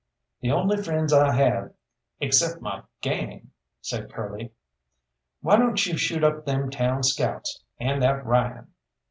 "The only friends I have excep' my gang," said Curly. "Why don't you shoot up them town scouts, and that Ryan?"